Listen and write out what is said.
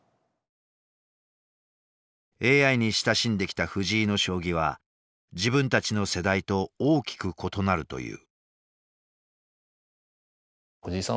ＡＩに親しんできた藤井の将棋は自分たちの世代と大きく異なるという。